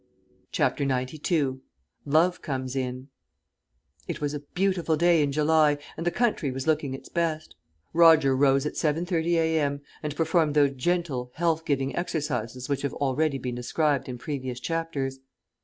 CHAPTER XCII LOVE COMES IN It was a beautiful day in July and the country was looking its best. Roger rose at 7.30 a.m. and performed those gentle, health giving exercises which have already been described in previous chapters.